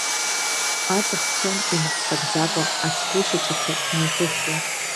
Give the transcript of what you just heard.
Аҵых цон имыццакӡакәа ацгәы шьаҿақәа неихыхуа.